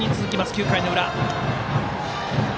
９回の裏。